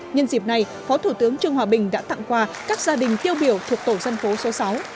nhân dịp này phó thủ tướng trương hòa bình đã tặng quà các gia đình tiêu biểu thuộc tổ dân phố số sáu